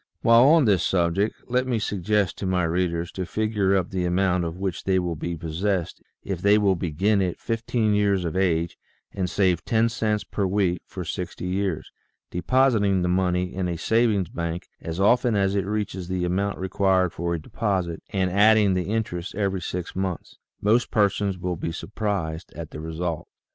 While on this subject let me suggest to my readers to figure up the amount of which they will be possessed if they will begin at fifteen years of age and save ten cents per week for sixty years, depositing the money in a savings bank as often as it reaches the amount required for a deposit, and adding the interest every six months. Most persons will be suprised at the result.